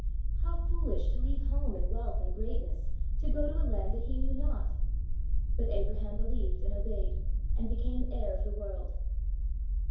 How foolish to leave home and wealth and greatness to go to a land that he knew not ! But Abraham believed and obeyed and became heir of the world.